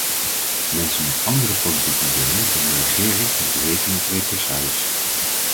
Mensen met andere politieke ideeën dan de regering moeten rekenen op represailles.